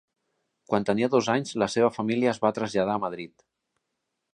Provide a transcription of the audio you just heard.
Quan tenia dos anys, la seva família es va traslladar a Madrid.